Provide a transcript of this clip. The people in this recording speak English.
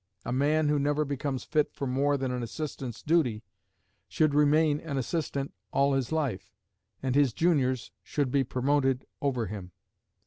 A man who never becomes fit for more than an assistant's duty should remain an assistant all his life, and his juniors should be promoted over him.